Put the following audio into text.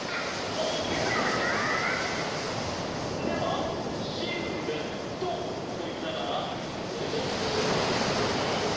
では「シルエット！」といいながらこのポーズをいっしょに。